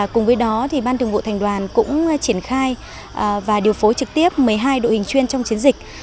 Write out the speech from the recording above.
cùng với đó ban thường vụ thành đoàn cũng triển khai và điều phối trực tiếp một mươi hai đội hình chuyên trong chiến dịch